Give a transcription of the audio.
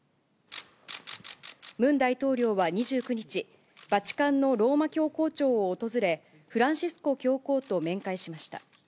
ムン大統領は２９日、バチカンのローマ教皇庁を訪れ、フランシスコ教皇と面会しました。